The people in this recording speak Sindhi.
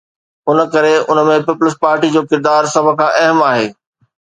ان ڪري ان ۾ پيپلز پارٽي جو ڪردار سڀ کان اهم آهي.